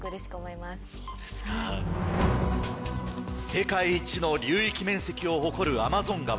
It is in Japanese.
世界一の流域面積を誇るアマゾン川。